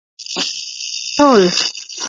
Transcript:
ټول